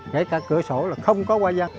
kể cả cửa sổ là không có hoa văn